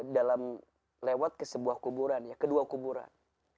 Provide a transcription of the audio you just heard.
dalam lewat ke sebuah kuburan ya kedua kuburan